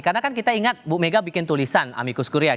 karena kan kita ingat bu mega bikin tulisan amikus kuriai